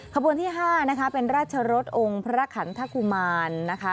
ขบวนที่ห้าเป็นราชรสองค์พระขันธกุมาร